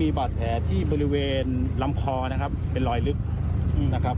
บาดแผลที่บริเวณลำคอนะครับเป็นรอยลึกนะครับ